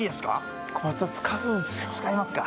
使いますか。